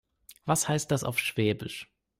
Was heißt das auf Schwäbisch?